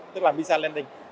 tức là misa lending